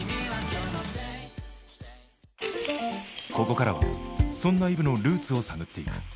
ここからはそんなＥｖｅのルーツを探っていく。